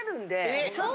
えっ！